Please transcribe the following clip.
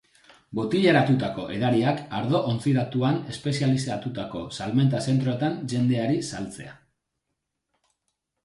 Botilaratutako edariak ardo ontziratuan espezializatutako salmenta-zentroetan jendeari saltzea.